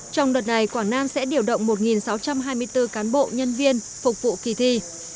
trong đợt này quảng nam sẽ điều động một sáu trăm hai mươi bốn cán bộ nhân viên phục vụ kỳ thi